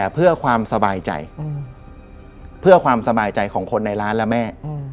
เพื่อความสบายใจของคนในร้านและแม่